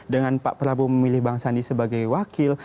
dengan pak prabowo memilih bang sandi sebagai wakil